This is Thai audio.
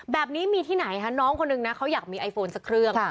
แบบนี้มีที่ไหนคะน้องคนนึงนะเขาอยากมีไอโฟนสักเครื่อง